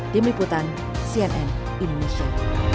tim liputan cnn indonesia